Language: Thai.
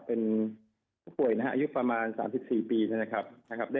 เป็นผู้ป่วยนะฮะอายุประมาณ๓๔ปีนะครับ